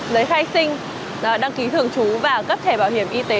giấy khai sinh đăng ký thường trú và cấp thẻ bảo hiểm y tế